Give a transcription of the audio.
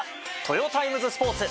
トヨタイムズスポーツ